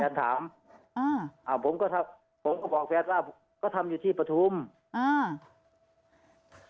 ถามอ่าอ่าผมก็ทำผมก็บอกแฟนว่าก็ทำอยู่ที่ปฐุมอ่า